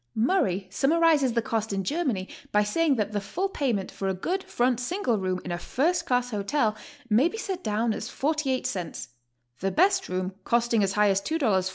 Murray summarizes the cost in Germany by saying that the full payment for a good front single room in a first class hotel may be set down as 48 cents (the best room costing as high as S2.